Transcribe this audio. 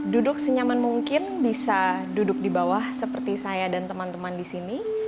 duduk senyaman mungkin bisa duduk di bawah seperti saya dan teman teman di sini